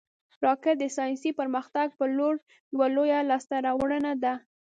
راکټ د ساینسي پرمختګ پر لور یوه لویه لاسته راوړنه ده